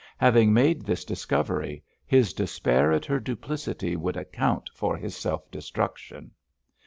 Having made this discovery, his despair at her duplicity would account for his self destruction.